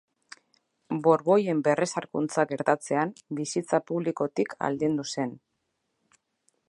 Borboien berrezarkuntza gertatzean bizitza publikotik aldendu zen.